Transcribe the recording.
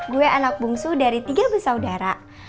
gue anak bungsu dari tiga bersaudara